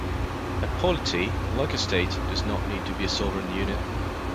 A polity, like a state, does not need to be a sovereign unit.